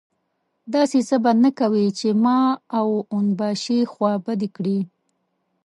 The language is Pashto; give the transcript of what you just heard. داسې څه به نه کوې چې ما او اون باشي خوابدي کړي.